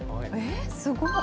すごい。